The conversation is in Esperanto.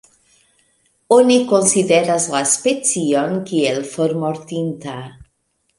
Oni konsideras la specion kiel formortinta.